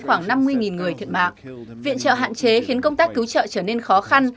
khoảng năm mươi người thiệt mạng viện trợ hạn chế khiến công tác cứu trợ trở nên khó khăn